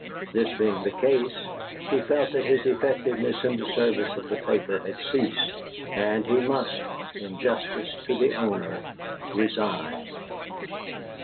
This being the case, he felt that his effectiveness in the service of the paper had ceased, and he must, in justice to the owner, resign.